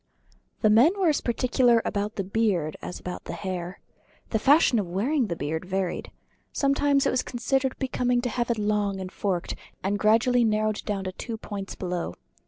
The men were as particular about the beard as about the hair. The fashion of wearing the beard varied. Sometimes it was considered becoming to have it long and forked, and gradually narrowed to two points below.